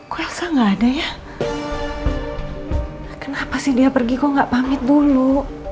kok elsa gak ada ya kenapa sih dia pergi kok gak pamit dulu